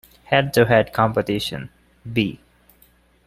Head-to-head competition; B.